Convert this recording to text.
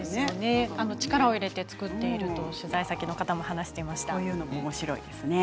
力を入れて作っていると取材先の方も話していました。